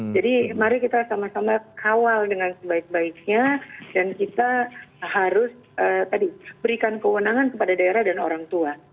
jadi mari kita sama sama kawal dengan sebaik baiknya dan kita harus berikan kewenangan kepada daerah dan orang tua